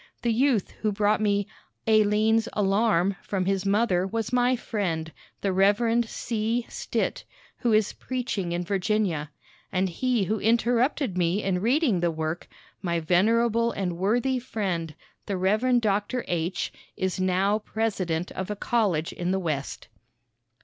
The youth who brought me "Alleine's Alarm" from his mother was my friend, the Rev. C. Stitt, who is preaching in Virginia. And he who interrupted me in reading the work, my venerable and worthy friend, the Rev. Dr. H., is now president of a college in the West.